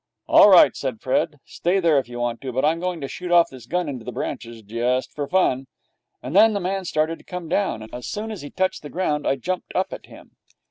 'All right,' said Fred. 'Stay there if you want to. But I'm going to shoot off this gun into the branches just for fun.' And then the man started to come down. As soon as he touched the ground I jumped up at him.